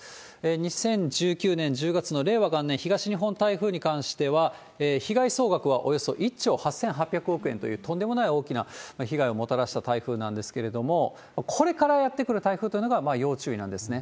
２０１９年１０月の令和元年、東日本台風に関しては、被害総額はおよそ１兆８００億円というとんでもない大きな被害をもたらした台風なんですけれども、これからやって来る台風というのが、要注意なんですね。